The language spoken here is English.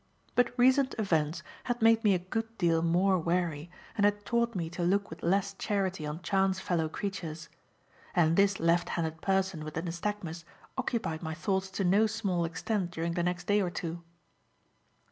But recent events had made me a good deal more wary and had taught me to look with less charity on chance fellow creatures; and this left handed person with the nystagmus occupied my thoughts to no small extent during the next day or two.